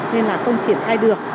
nên là không triển khai được